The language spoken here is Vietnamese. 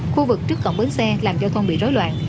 khu vực trước cổng bến xe làm giao thông bị rối loạn